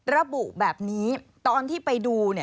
ระบุแบบนี้ตอนที่ไปดู